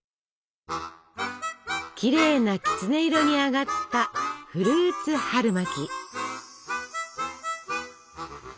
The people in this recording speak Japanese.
きれいなきつね色に揚がったフルーツ春巻き。